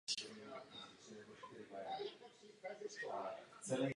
Přesto zůstaly stovky členů stále pod dohledem policie.